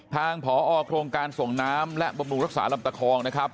ทางผอโครงการส่งน้ำและบำรุงรักษาลำตะคองนะครับ